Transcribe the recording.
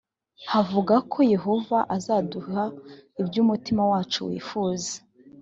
havuga ko yehova azaduha ibyo umutima wacu wifuza